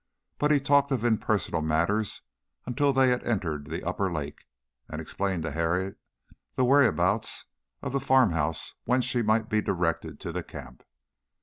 But he talked of impersonal matters until they had entered the upper lake, and explained to Harriet the whereabouts of the farmhouse whence she might be directed to the camp.